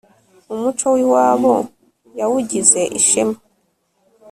umuco wiwabo yawugize ishema